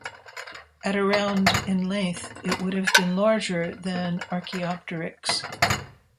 At around in length, it would have been larger than "Archaeopteryx".